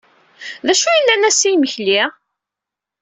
D acu yellan ass-a i yimekli?